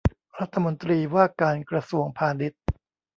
รัฐมนตรีว่าการกระทรวงพาณิชย์